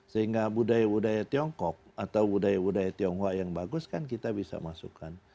sehingga budaya budaya tiongkok atau budaya budaya tionghoa yang bagus kan kita bisa masukkan